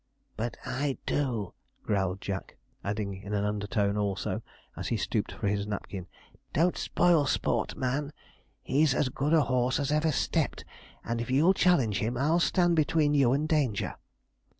'But I do,' growled Jack, adding, in an undertone also, as he stooped for his napkin, 'don't spoil sport, man; he's as good a horse as ever stepped; and if you'll challenge him, I'll stand between you and danger.'